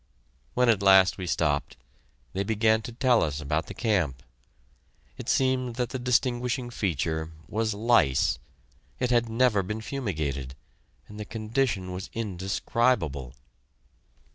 When at last we stopped, they began to tell us about the camp. It seemed that the distinguishing feature was lice! It had never been fumigated, and the condition was indescribable.